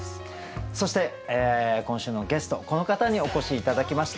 そして今週のゲストこの方にお越し頂きました。